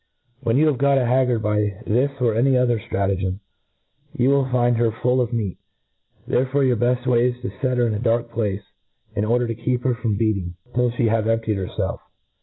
When you have got a haggard bji thr§ or by any other llratagem, you will find her full of meat ; therefore your beft way is to fet her in a dark place, in order to keep her from beat ing, till fhe have emptied herfelf.